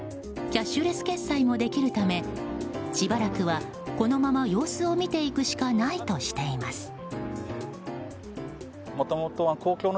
キャッシュレス決済もできるためしばらくは、このまま様子を見ていくしかないとしています。